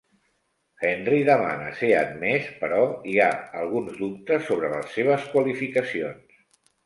Henry demana ser admès però hi ha alguns dubtes sobre les seves qualificacions.